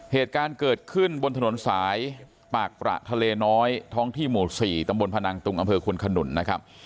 เหตุการณ์เกิดขึ้นบนถนนสายปากประทะเลน้อยท้องที่หมู่๔ตำบลพนังตุงอำเภอคุณขนุนนะครับ